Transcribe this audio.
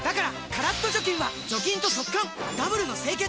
カラッと除菌は除菌と速乾ダブルの清潔！